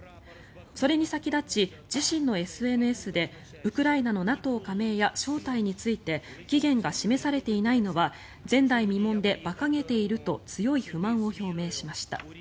それに先立ち、自身のＳＮＳでウクライナのＮＡＴＯ加盟や招待について期限が示されていないのは前代未聞で馬鹿げていると強い不満を表明しました。